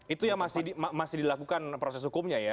itu yang masih dilakukan proses hukumnya ya